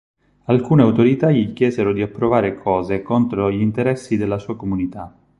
Alcune autorità gli chiesero di approvare cose contro gli interessi della sua comunità.